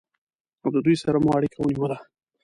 له دوی سره مو اړیکه ونیوله.